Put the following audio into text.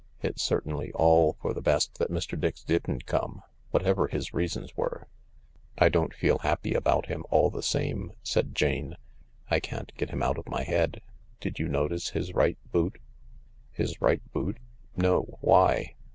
It's certainly all for the best that Mr. Dix didn't come— what ever his reasons were." 11 1 don't feel happy about him, all the same," said Jane. " I can't get him out of my head. Did you notice his right boot? " His right boot ? No— why